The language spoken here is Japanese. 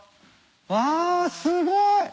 わすごい！